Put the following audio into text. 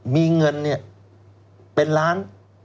มีเงินเป็นล้าน